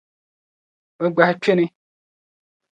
Bɛ gbahi kpini.